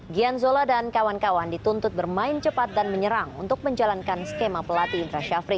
gian zola dan kawan kawan dituntut bermain cepat dan menyerang untuk menjalankan skema pelatih indra syafri